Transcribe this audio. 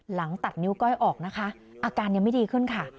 หลังตัดนิ้วก้อยออกนะคะอาการยังไม่ดีขึ้นค่ะ